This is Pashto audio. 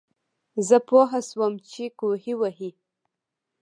زۀ پوهه شوم چې کوهے وهي